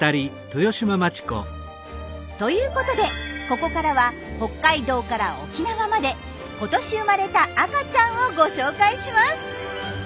ということでここからは北海道から沖縄まで今年生まれた赤ちゃんをご紹介します！